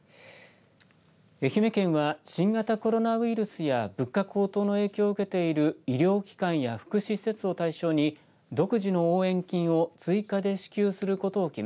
愛媛県は新型コロナウイルスや物価高騰の影響を受けている医療機関や福祉施設を対象に独自の応援金を追加で支給することを決め